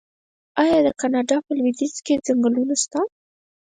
آیا د کاناډا په لویدیځ کې ځنګلونه نشته؟